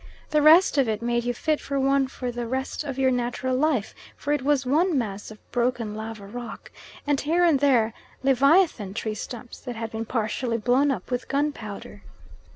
The rest of it made you fit for one for the rest of your natural life, for it was one mass of broken lava rock, and here and there leviathan tree stumps that had been partially blown up with gunpowder.